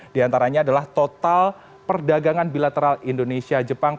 diantaranya adalah total perdagangan bilateral indonesia jepang